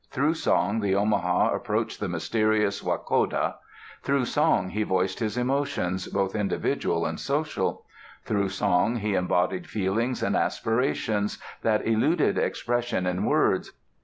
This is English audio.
Through song, the Omaha approached the mysterious Wakoda; through song he voiced his emotions, both individual and social; through song he embodied feelings and aspirations that eluded expression in words.